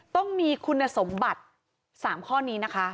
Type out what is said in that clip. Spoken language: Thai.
ต้องมีคุณสมบัติ๓ข้อนี้นะคะ